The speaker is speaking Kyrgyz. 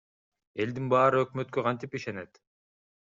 Элдин баары өкмөткө кантип ишенет?